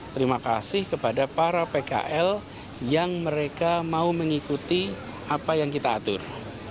terima kasih kepada para pkl yang mereka mau mengikuti apa yang kita atur